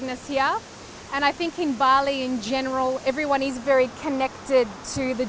dan saya pikir di bali secara umum semua orang sangat terhubung dengan tuhan